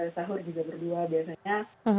sahur juga berdua biasanya